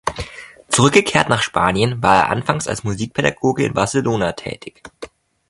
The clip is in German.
Zurückgekehrt nach Spanien war er anfangs als Musikpädagoge in Barcelona tätig.